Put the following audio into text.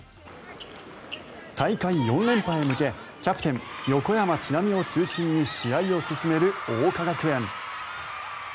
大会４連覇へ向けキャプテン、横山智那美を中心に試合を進める桜花学園。